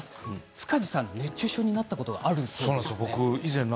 塚地さん、なったことがあるそうですね。